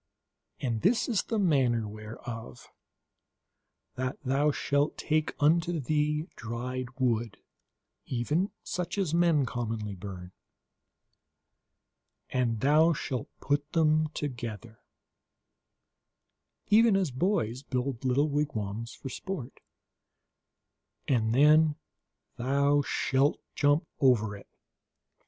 And this is the manner thereof : that thou shalt take unto thee dry wood, even such as men commonly burn, and thou shalt put them together, even as boys build little wigwams for sport, and then thou shalt jump over it.